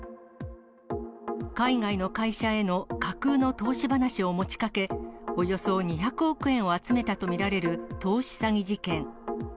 海外の会社への架空の投資話を持ちかけ、およそ２００億円を集めたと見られる投資詐欺事件。